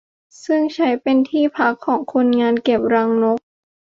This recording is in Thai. ซึ่งใช้เป็นที่พักของคนงานเก็บรังนก